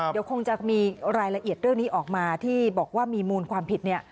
เดี๋ยวคงจะมีรายละเอียดเรื่องนี้ออกมาที่บอกว่ามีมูลความผิดเนี่ย